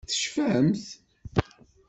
Tecfamt?